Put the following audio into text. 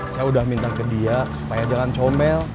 saya udah minta ke dia supaya jangan come